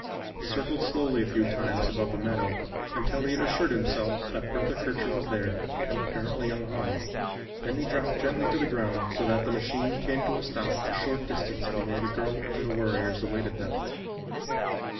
He circled slowly a few times above the meadow until he had assured himself that Bertha Kircher was there and apparently unharmed, then he dropped gently to the ground so that the machine came to a stop a short distance from where the girl and the warriors awaited them.